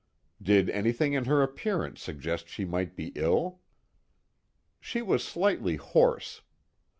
"Did anything in her appearance suggest she might be ill?" "She was slightly hoarse.